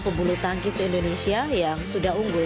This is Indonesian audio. pebulu tangkis indonesia yang sudah unggul